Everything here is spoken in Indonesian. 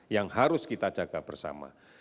yang harus kita jaga bersama